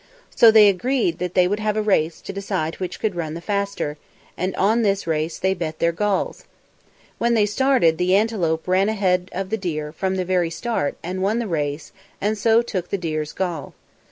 So they agreed that they would have a race to decide which could run the faster, and on this race they bet their galls. When they started, the antelope ran ahead of the deer from the very start and won the race and so took the deer's gall.